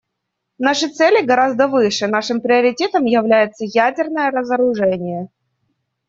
Наши цели гораздо выше, нашим приоритетом является ядерное разоружение.